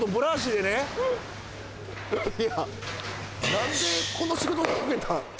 何でこの仕事引き受けたん？